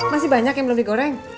masih banyak yang belum digoreng